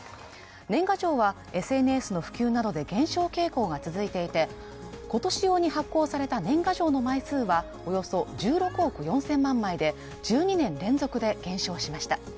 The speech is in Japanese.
年賀状はＳＮＳの普及などで減少傾向が続いていて、今年用に発行された年賀状の枚数は、およそ１６億４０００万枚で、１２年連続で減少しました。